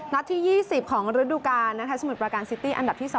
ที่๒๐ของฤดูกาลสมุทรประการซิตี้อันดับที่๒